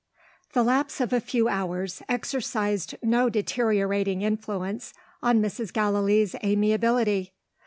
The lapse of a few hours exercised no deteriorating influence on Mrs. Gallilee's amiability.